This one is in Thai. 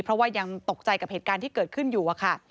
เพราะว่ายังตกใจกับเหตุการณ์ที่เกิดขึ้นอยู่อะค่ะ